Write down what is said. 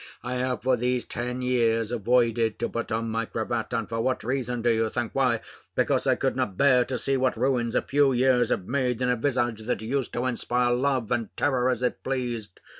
I have for these ten years avoided to put on my cravat; and for what reason, do you think? Why, because I could not bear to see what ruins a few years have made in a visage, that used to inspire love and terror as it pleased.